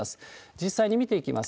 実際に見ていきます。